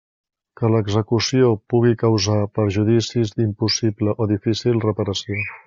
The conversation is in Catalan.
Que l'execució pugui causar perjudicis d'impossible o difícil reparació.